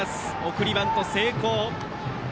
送りバント成功。